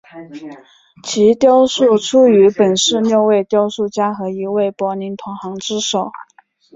其雕塑出于本市六位雕塑家和一位柏林同行之手。